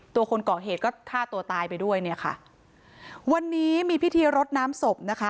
ตัวคนก่อเหตุก็ฆ่าตัวใต้ไปด้วยค่ะวันนี้มีพิธีรดน้ำสบ